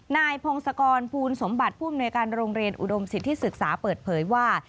นายพงศกรภูลสมบัติผู้อำนวยการโรงเรียนอุดมสิทธิศึกษาเปิดเผยว่า